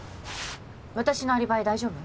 私のアリバイ大丈夫？